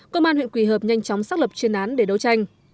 công an huyện quỳ hợp nhanh chóng xác lập chuyên án để đấu tranh